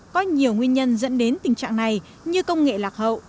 có nhiều nguyên nhân dẫn đến tình trạng này như công nghệ lạc hậu